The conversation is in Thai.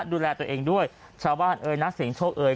ดูแลตัวเองด้วยชาวบ้านเอ่ยนักเสียงโชคเอ่